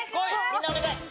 みんなお願い！